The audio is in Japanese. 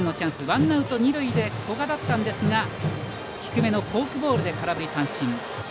ワンアウト二塁で古賀だったんですが低めのフォークボールで空振り三振。